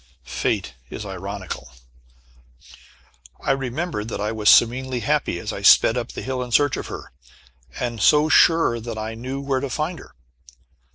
Fate is ironical. I remembered that I was serenely happy as I sped up the hill in search of her, and so sure that I knew where to find her.